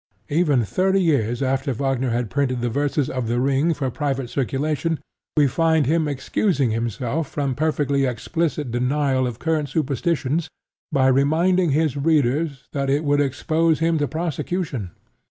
Even thirty years after Wagner had printed the verses of The Ring for private circulation, we find him excusing himself from perfectly explicit denial of current superstitions, by reminding his readers that it would expose him to prosecution.